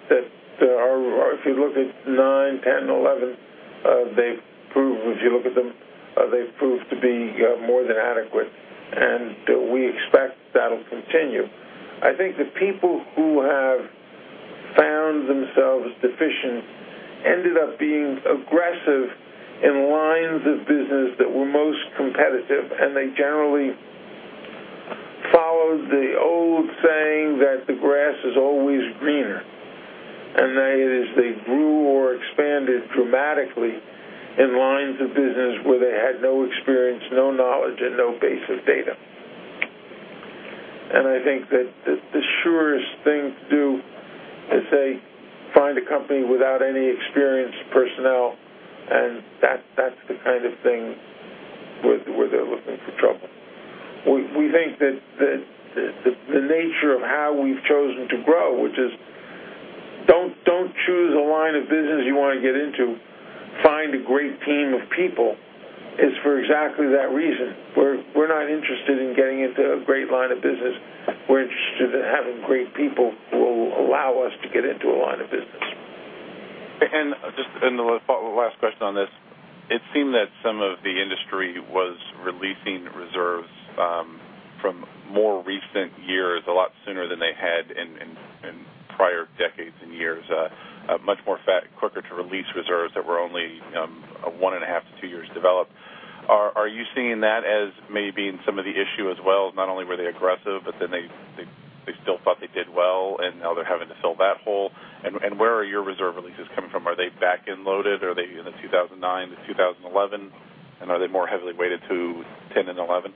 That if you look at 2009, 2010, and 2011, if you look at them, they've proved to be more than adequate. We expect that'll continue. I think the people who ended up being aggressive in lines of business that were most competitive, they generally followed the old saying that the grass is always greener. That is, they grew or expanded dramatically in lines of business where they had no experience, no knowledge, no base of data. I think that the surest thing to do is say, find a company without any experienced personnel. That's the kind of thing where they're looking for trouble. We think that the nature of how we've chosen to grow, which is don't choose a line of business you want to get into. Find a great team of people, is for exactly that reason. We're not interested in getting into a great line of business. We're interested in having great people who will allow us to get into a line of business. Just the last question on this, it seemed that some of the industry was releasing reserves from more recent years, a lot sooner than they had in prior decades and years, much more quicker to release reserves that were only one and a half to two years developed. Are you seeing that as maybe some of the issue as well? Not only were they aggressive, they still thought they did well, and now they're having to fill that hole, where are your reserve releases coming from? Are they back-end loaded? Are they in the 2009 to 2011, are they more heavily weighted to '10 and '11?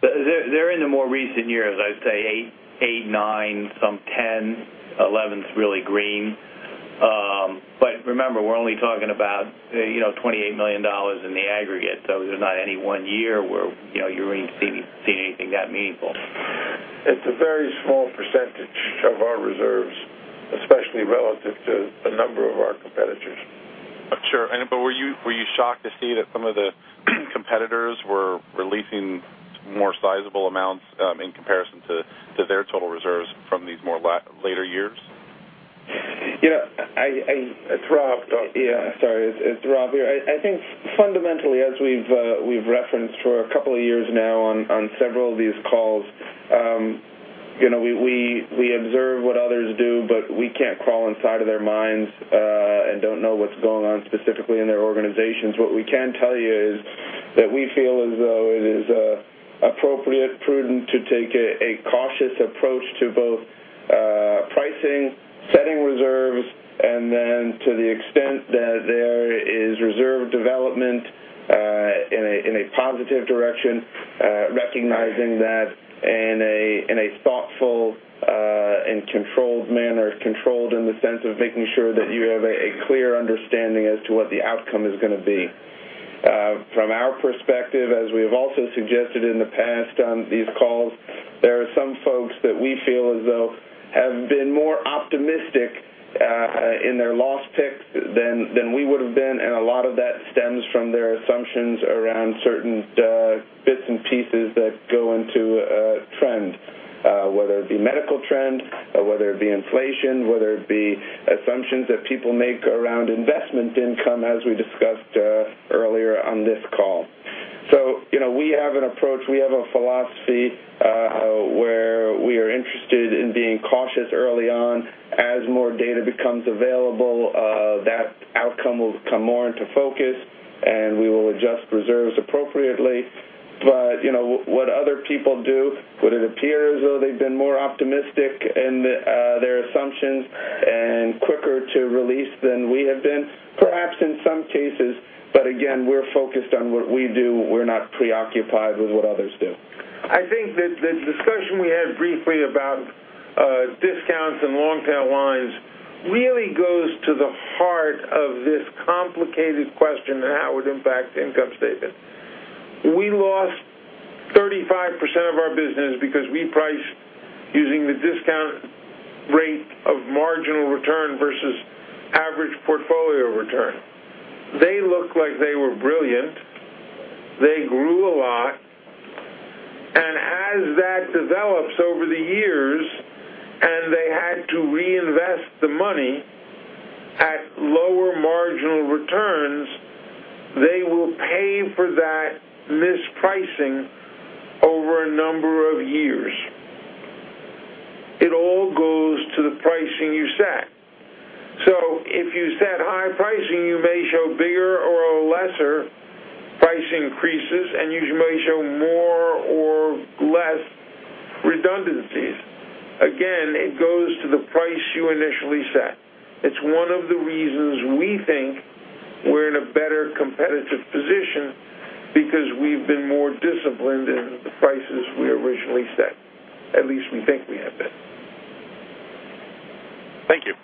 They're in the more recent years, I'd say '08, '09, some '10. '11 is really green. Remember, we're only talking about $28 million in the aggregate. There's not any one year where you're going to see anything that meaningful. It's a very small percentage of our reserves, especially relative to the number of our competitors. Sure. Were you shocked to see that some of the competitors were releasing more sizable amounts, in comparison to their total reserves from these more later years? Yeah. It's Rob here. I think fundamentally, as we've referenced for a couple of years now on several of these calls, we observe what others do, but we can't crawl inside of their minds, and don't know what's going on specifically in their organizations. What we can tell you is that we feel as though it is appropriate, prudent to take a cautious approach to both pricing, setting reserves, and then to the extent that there is reserve development in a positive direction, recognizing that in a thoughtful and controlled manner. Controlled in the sense of making sure that you have a clear understanding as to what the outcome is going to be. From our perspective, as we have also suggested in the past on these calls, there are some folks that we feel as though have been more optimistic in their loss picks than we would've been, and a lot of that stems from their assumptions around certain bits and pieces that go into a trend. Whether it be medical trend or whether it be inflation, whether it be assumptions that people make around investment income, as we discussed earlier on this call. We have an approach, we have a philosophy, where we are interested in being cautious early on. As more data becomes available, that outcome will come more into focus, and we will adjust reserves appropriately. What other people do, would it appear as though they've been more optimistic in their assumptions and quicker to release than we have been? Perhaps in some cases, but again, we're focused on what we do. We're not preoccupied with what others do. I think that the discussion we had briefly about discounts and long-tail lines really goes to the heart of this complicated question and how it would impact the income statement. We lost 35% of our business because we priced using the discount rate of marginal return versus average portfolio return. They looked like they were brilliant. They grew a lot. As that develops over the years, and they had to reinvest the money at lower marginal returns, they will pay for that mispricing over a number of years. It all goes to the pricing you set. If you set high pricing, you may show bigger or lesser price increases, and you may show more or less redundancies. Again, it goes to the price you initially set. It's one of the reasons we think we're in a better competitive position because we've been more disciplined in the prices we originally set. At least we think we have been. Thank you.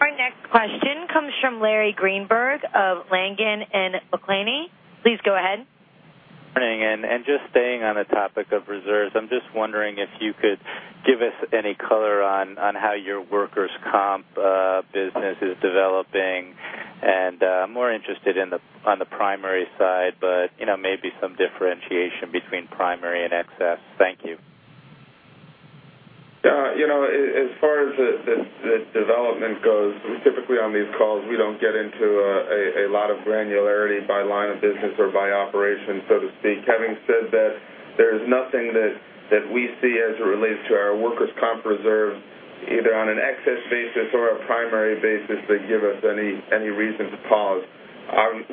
Our next question comes from Larry Greenberg of Langen McAlenney. Please go ahead. Good morning. Just staying on the topic of reserves, I'm just wondering if you could give us any color on how your workers' comp business is developing, and I'm more interested on the primary side, but maybe some differentiation between primary and excess. Thank you. As far as the development goes, typically on these calls, we don't get into a lot of granularity by line of business or by operation, so to speak. Having said that, there is nothing that we see as it relates to our workers' comp reserve, either on an excess basis or a primary basis that give us any reason to pause.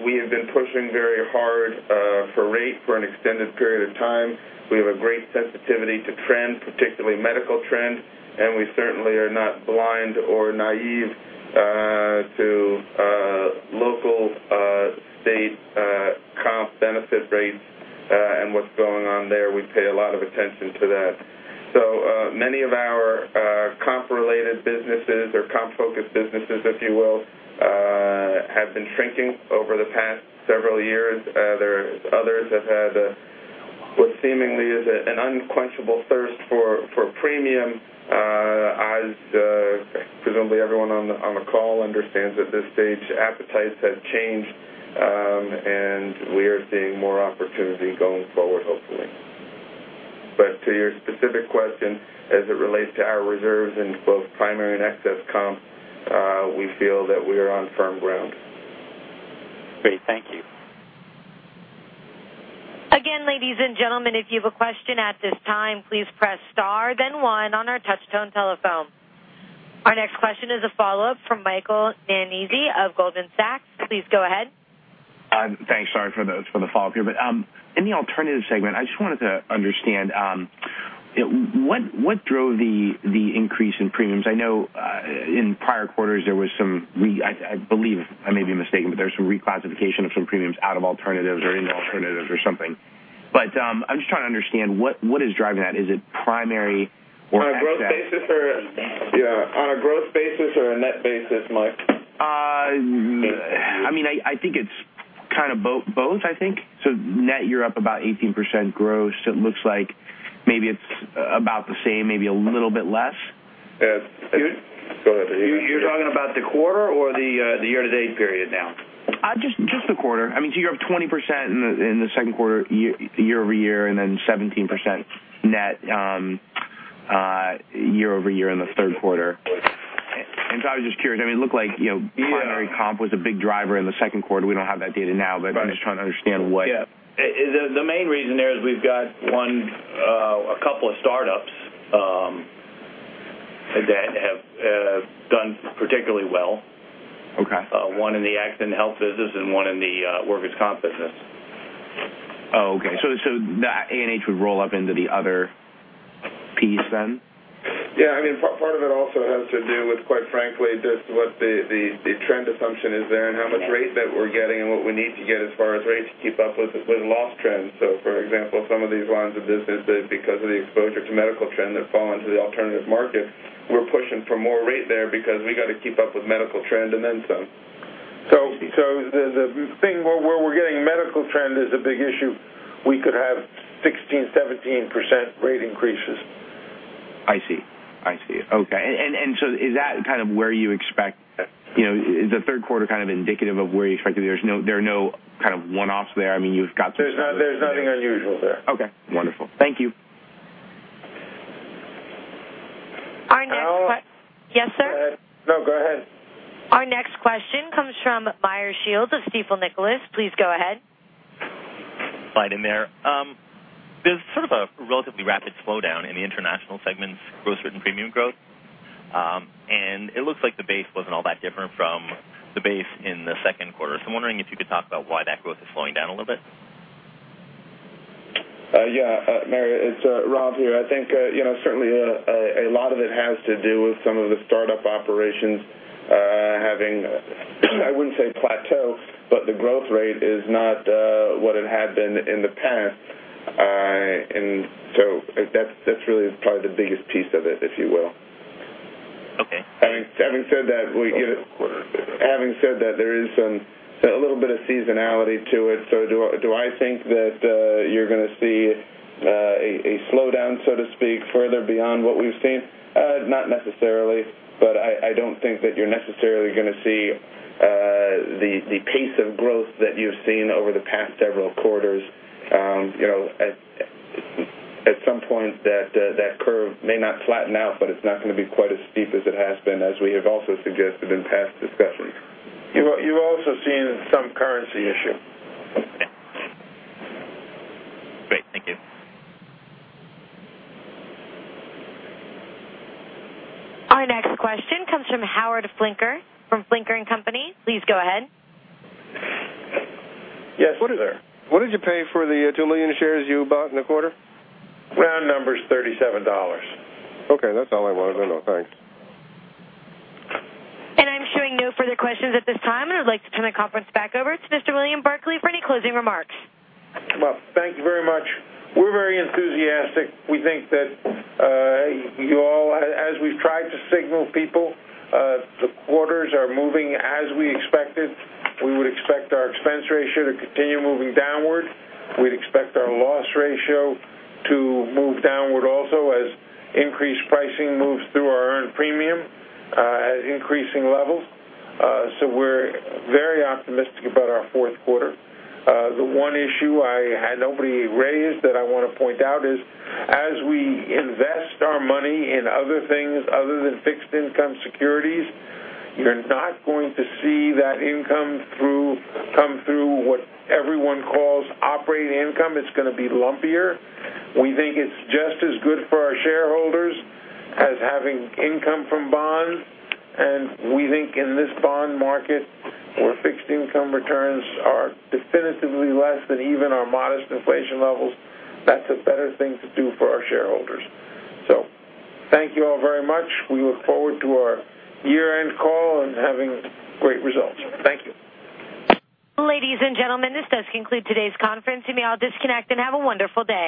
We have been pushing very hard for rate for an extended period of time. We have a great sensitivity to trend, particularly medical trend, and we certainly are not blind or naive to local state comp benefit rates and what's going on there. We pay a lot of attention to that. Many of our comp-related businesses or comp-focused businesses, if you will, have been shrinking over the past several years. There's others that had what seemingly is an unquenchable thirst for premium. As presumably everyone on the call understands at this stage, appetites have changed. We are seeing more opportunity going forward, hopefully. To your specific question, as it relates to our reserves in both primary and excess comp, we feel that we are on firm ground. Great. Thank you. Ladies and gentlemen, if you have a question at this time, please press star then one on our touchtone telephone. Our next question is a follow-up from Michael Nannizzi of Goldman Sachs. Please go ahead. Thanks. Sorry for the follow-up here, in the alternative segment, I just wanted to understand, what drove the increase in premiums? I know in prior quarters there was some, I believe, I may be mistaken, there was some reclassification of some premiums out of alternatives or in alternatives or something. I'm just trying to understand what is driving that. Is it primary or excess? On a growth basis or a net basis, Mike? I think it's kind of both, I think. Net, you're up about 18% gross. It looks like maybe it's about the same, maybe a little bit less. Yes. Go ahead. You're talking about the quarter or the year-to-date period now? Just the quarter. You're up 20% in the second quarter year-over-year and then 17% net year-over-year in the third quarter. I was just curious. It looked like- Yeah primary comp was a big driver in the second quarter. We don't have that data now- Right I'm just trying to understand what- Yeah. The main reason there is we've got a couple of startups that have done particularly well. Okay. One in the accident health business and one in the workers' comp business. Oh, okay. That A&H would roll up into the other piece then? Yeah. Part of it also has to do with, quite frankly, just what the trend assumption is there and how much rate that we're getting and what we need to get as far as rate to keep up with loss trends. For example, some of these lines of business that because of the exposure to medical trend have fallen to the alternative market, we're pushing for more rate there because we got to keep up with medical trend and then some. The thing where we're getting medical trend is a big issue. We could have 16%, 17% rate increases. I see. Okay. Is that kind of where you expect, is the third quarter kind of indicative of where you expect to be? There are no kind of one-offs there. There's nothing unusual there. Okay, wonderful. Thank you. Our next que- Al? Yes, sir. Go ahead. No, go ahead. Our next question comes from Meyer Shields of Stifel Nicolaus. Please go ahead. Slide in there. There's sort of a relatively rapid slowdown in the international segment's gross written premium growth. It looks like the base wasn't all that different from the base in the second quarter. I'm wondering if you could talk about why that growth is slowing down a little bit. Yeah. Meyer, it's Rob here. I think certainly a lot of it has to do with some of the startup operations having, I wouldn't say plateau, but the growth rate is not what it had been in the past. That's really probably the biggest piece of it, if you will. Okay. Having said that, there is a little bit of seasonality to it. Do I think that you're going to see a slowdown, so to speak, further beyond what we've seen? Not necessarily, but I don't think that you're necessarily going to see the pace of growth that you've seen over the past several quarters. At some point that curve may not flatten out, but it's not going to be quite as steep as it has been as we have also suggested in past discussions. You're also seeing some currency issue. Okay. Great. Thank you. Our next question comes from Howard Flinker from Flinker & Co.. Please go ahead. Yes, sir. What did you pay for the two million shares you bought in the quarter? Round numbers, $37. Okay. That's all I wanted to know. Thanks. I'm showing no further questions at this time, I'd like to turn the conference back over to Mr. William R. Berkley for any closing remarks. Well, thank you very much. We're very enthusiastic. We think that you all, as we've tried to signal people, the quarters are moving as we expected. We would expect our expense ratio to continue moving downward. We'd expect our loss ratio to move downward also as increased pricing moves through our earned premium at increasing levels. We're very optimistic about our fourth quarter. The one issue nobody raised that I want to point out is as we invest our money in other things other than fixed income securities, you're not going to see that income come through what everyone calls operating income. It's going to be lumpier. We think it's just as good for our shareholders as having income from bonds, and we think in this bond market where fixed income returns are definitively less than even our modest inflation levels, that's a better thing to do for our shareholders. Thank you all very much. We look forward to our year-end call and having great results. Thank you. Ladies and gentlemen, this does conclude today's conference. You may all disconnect and have a wonderful day.